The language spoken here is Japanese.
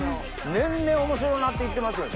年々面白なって行ってますよね。